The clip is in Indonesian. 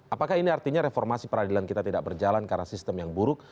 apakah ini artinya reformasi peradilan kita tidak berjalan karena sistem yang buruk